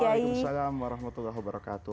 waalaikumsalam warahmatullahi wabarakatuh